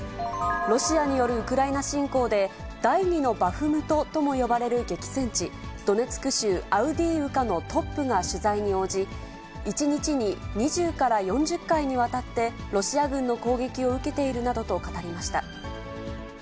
ロシアによるウクライナ侵攻で、第２のバフムトとも呼ばれる激戦地、ドネツク州アウディーウカのトップが取材に応じ、１日に２０から４０回にわたって、ロシア軍の攻撃を受けているなどと語りました。